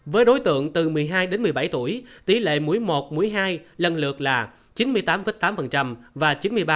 với đối tượng từ một mươi hai đến một mươi bảy tuổi tỷ lệ mũi một mũi hai lần lượt là chín mươi tám tám và chín mươi ba